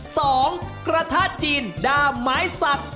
สองกระทะจีนดาหมายสัตว์